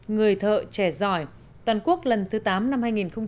người thợ trẻ giỏi toàn quốc lần thứ tám năm hai nghìn một mươi bảy